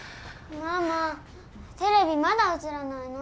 ママテレビまだ映らないの？